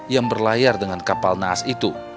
yang berlayar dengan kapal naas itu